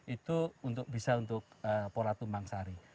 itu untuk bisa untuk pola tumpang sari